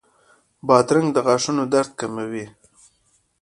بادرنګ د غاښونو درد کموي.